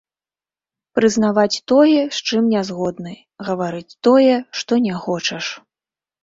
Прызнаваць тое, з чым не згодны, гаварыць тое, што не хочаш.